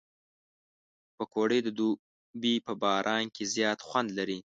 پکورې د دوبي په باران کې زیات خوند لري